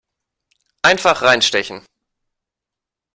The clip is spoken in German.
Einfach reinstechen!